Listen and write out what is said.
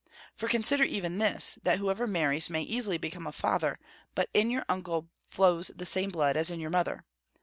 For consider even this, that whoever marries may easily become a father; but in your uncle flows the same blood as in your mother.